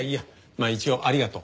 まあ一応ありがとう。